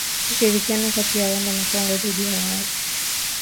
Ushirikiano kati ya Rwanda na Kongo dhidi ya waasi